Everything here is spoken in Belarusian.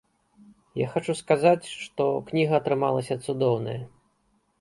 Я хачу сказаць, што кніга атрымалася цудоўная.